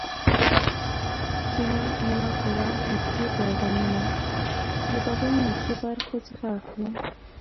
کیڼه نیمه کره حسي پیغامونه د بدن له ښي برخو څخه اخلي.